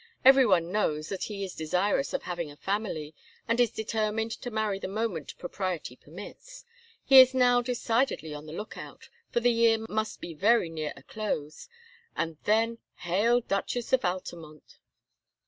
Everyone knows that he is desirous of having a family, and is determined to marry the moment propriety permits; he is now decidedly on the look out, for the year must be very near a close; and then, hail Duchess of Altamont!"